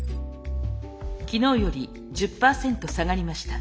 昨日より１０％下がりました。